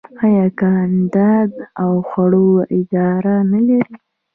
آیا کاناډا د خوړو اداره نلري؟